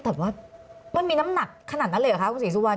แต่ว่ามันมีน้ำหนักขนาดนั้นเลยเหรอคะคุณศรีสุวรรณ